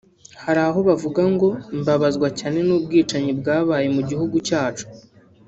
hari aho avuga ngo « Mbabazwa cyane n’ubwicanyi bwabaye mu gihugu cyacu